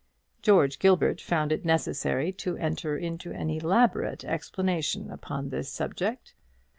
George Gilbert found it necessary to enter into an elaborate explanation upon this subject.